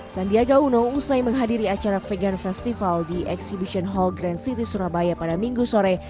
sandiaga uno usai menghadiri acara vegan festival di exhibition hall grand city surabaya pada minggu sore